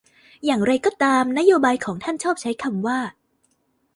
อย่างไรก็ตามนโยบายของท่านชอบใช้คำว่า